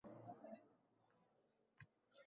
Ko`zimni chippa yumib ulardan qochaman